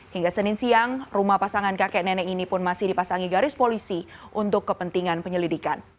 hingga senin siang rumah pasangan kakek nenek ini pun masih dipasangi garis polisi untuk kepentingan penyelidikan